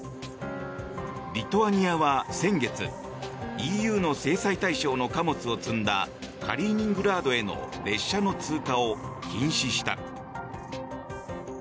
リトアニアは先月ＥＵの制裁対象の貨物を積んだカリーニングラードへの列車の通過を禁止した。